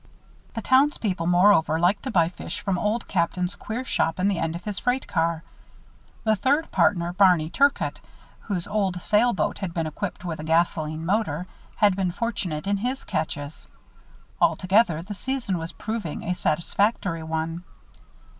The townspeople, moreover, liked to buy fish from Old Captain's queer shop in the end of his freight car. The third partner, Barney Turcott, whose old sailboat had been equipped with a gasoline motor, had been fortunate in his catches. Altogether, the season was proving a satisfactory one.